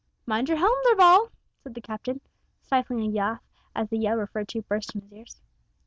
"Mind your helm, Darvall," said the Captain, stifling a laugh as the yell referred to burst on his ears.